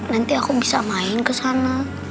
nanti aku bisa main kesana